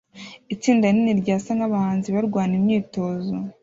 itsinda rinini ryasa nkabahanzi barwana imyitozo